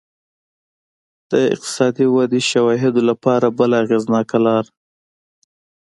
د اقتصادي ودې شواهدو لپاره بله اغېزناکه لار